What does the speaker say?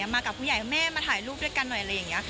มากับผู้ใหญ่แม่มาถ่ายรูปด้วยกันหน่อยอะไรอย่างนี้